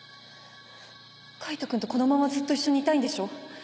海人くんとこのままずっと一緒にいたいんでしょ？